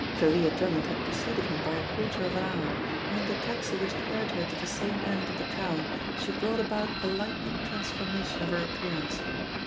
Thalia Drummond had preceded him by a quarter of an hour, and in the taxi which carried her to the same end of the town she brought about a lightning transformation of her appearance.